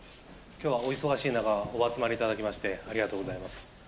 きょうはお忙しい中、お集まりいただきまして、ありがとうございます。